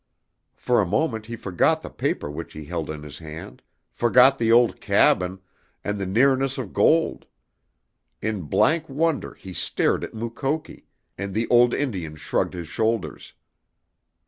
For a moment he forgot the paper which he held in his hand, forgot the old cabin, and the nearness of gold. In blank wonder he stared at Mukoki, and the old Indian shrugged his shoulders.